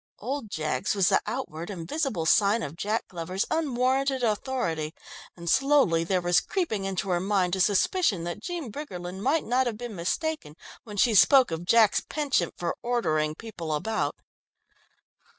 Old Jaggs was the outward and visible sign of Jack Glover's unwarranted authority, and slowly there was creeping into her mind a suspicion that Jean Briggerland might not have been mistaken when she spoke of Jack's penchant for "ordering people about."